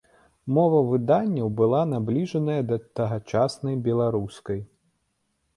Мова выданняў была набліжаная да тагачаснай беларускай.